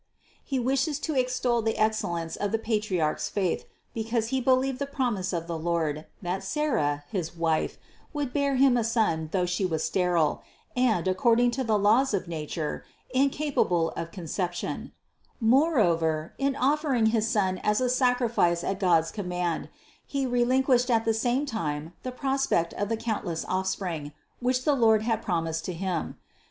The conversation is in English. He wishes to extol the excellence of the Patriarch's faith, be cause he believed the promise of the Lord, that Sarah, his wife, would bear him a son though she was sterile, and, according to the laws of nature, incapable of concep tion ; moreover, in offering his son as a sacrifice at God's command, he relinquished at the same time the prospect of the countless offspring, which the Lord had promised to Him.